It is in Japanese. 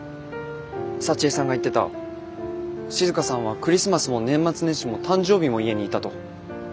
幸江さんが言ってた静さんはクリスマスも年末年始も誕生日も家にいたと。